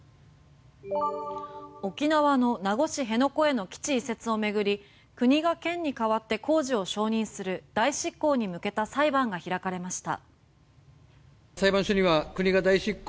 沖縄の名護市辺野古への基地移設を巡り国が県に代わって工事を承認する代執行に向けた裁判が開かれました。